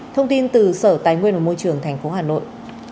thông tin từ sở tài nguyên và môi trường tp hà nội